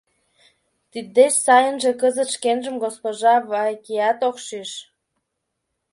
Тиддеч сайынже кызыт шкенжым госпожа Вайкаиат ок шиж.